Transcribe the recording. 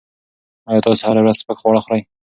ایا تاسو هره ورځ سپک خواړه خوري؟